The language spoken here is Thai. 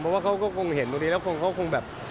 เพราะว่าเขาก็คงเห็นตรงนี้แล้วเขาคงแบบ